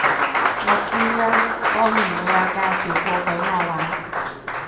我知啊，當年你有介紹過畀我玩